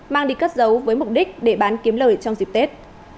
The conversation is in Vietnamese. mang đi cất giấu với mục đích để bán kiếm lời trong dịp tết